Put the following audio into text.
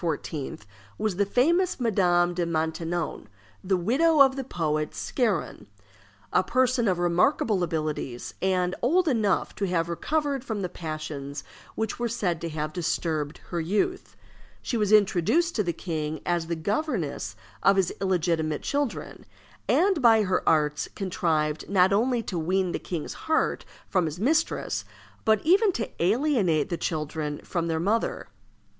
was the famous Madame de Maintenon, the widow of the poet Scarron; a person of remarkable abilities, and old enough to have recovered from the passions which were said to have disturbed her youth. She was introduced to the king as the governess of his illegitimate children, and by her arts contrived not only to wean the king's heart from his mistress, but even to alienate the children from their mother.